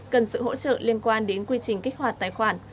cần sự hỗ trợ liên quan đến quy trình kích hoạt tài khoản